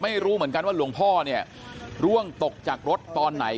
ไม่รู้เหมือนกันว่าหลวงพ่อเนี่ยร่วงตกจากรถตอนไหน